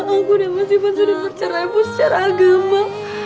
aku udah masih masih dipercaya ibu secara agama